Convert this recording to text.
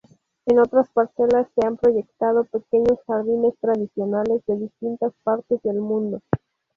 En otras parcelas se han proyectado pequeños jardines tradicionales de distintas partes del mundo.